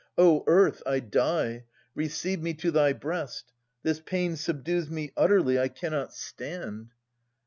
O Earth, I die : receive me to thy breast ! This pain Subdues me utterly; I cannot stand.